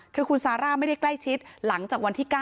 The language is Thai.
คือคุณซาร่าไม่ได้ใกล้ชิดหลังจากวันที่๙